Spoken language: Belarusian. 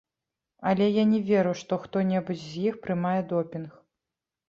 Але я не веру, што хто-небудзь з іх прымае допінг.